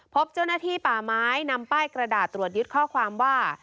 พบเจ้าหน้าที่ป่าไม้นำป้ายกระดาษตรวจยึดข้อความว่า